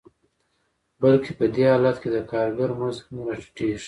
بلکې په دې حالت کې د کارګر مزد هم راټیټېږي